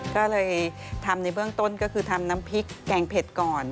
ก็เลยทำในเบื้องต้นก็คือทำน้ำพริกแกงเผ็ดก่อน